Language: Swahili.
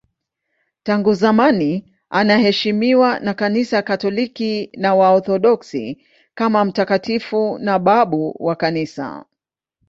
Tangu zamani anaheshimiwa na Kanisa Katoliki na Waorthodoksi kama mtakatifu na babu wa Kanisa.